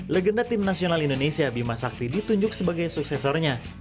legenda tim nasional indonesia bima sakti ditunjuk sebagai suksesornya